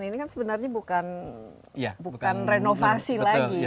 ini kan sebenarnya bukan renovasi lagi